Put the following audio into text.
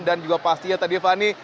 dan juga pastinya tadi fani